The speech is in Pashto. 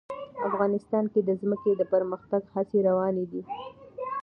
افغانستان کې د ځمکه د پرمختګ هڅې روانې دي.